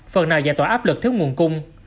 phần nào giả tỏa áp lực thiếu nguồn cung